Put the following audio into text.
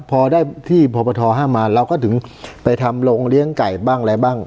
พอได้ที่พปทห้ามมาเราก็ถึงไปทำโรงเลี้ยงไก่บ้างอะไรบ้าง